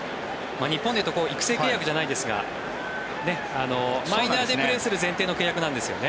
日本でいうと育成契約じゃないですがマイナーでプレーする前提の契約なんですよね。